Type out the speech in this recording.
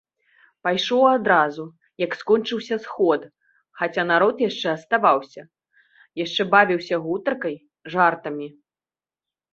Пайшоў адразу, як скончыўся сход, хаця народ яшчэ аставаўся, яшчэ бавіўся гутаркай, жартамі.